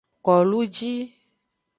Koluji.